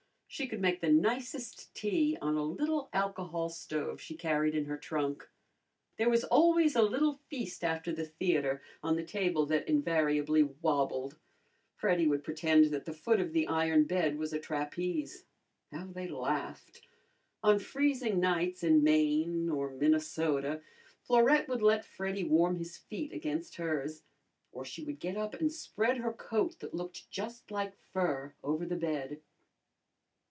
She could make the nicest tea on a little alcohol stove she carried in her trunk. There was always a little feast after the theatre on the table that invariably wabbled. Freddy would pretend that the foot of the iron bed was a trapeze. How they laughed. On freezing nights in Maine or Minnesota, Florette would let Freddy warm his feet against hers, or she would get up and spread her coat that looked just like fur over the bed.